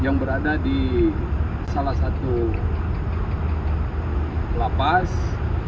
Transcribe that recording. yang berada di salah satu lapas